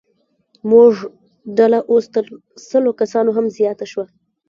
زموږ ډله اوس تر سلو کسانو هم زیاته شوه.